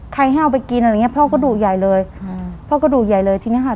ให้เอาไปกินอะไรอย่างเงี้พ่อก็ดุใหญ่เลยอืมพ่อก็ดุใหญ่เลยทีเนี้ยค่ะ